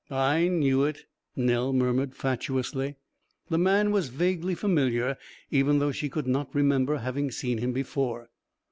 "I knew it," Nell murmured fatuously. The man was vaguely familiar, even though she could not remember having seen him before.